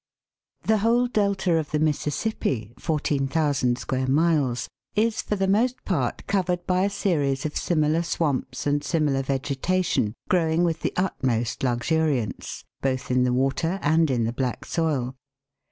The whole delta of the Mississippi (14,000 square miles) is for the most part covered by a series of similar swamps and similar vegetation growing with the utmost luxuriance, both in the water and in the black soil.